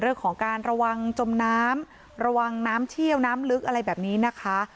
เรื่องของการระวังจมน้ำระวังน้ำเชี่ยวน้ำลึกอะไรแบบนี้นะคะ